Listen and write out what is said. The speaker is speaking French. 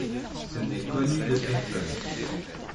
Ce n'est connu de personne.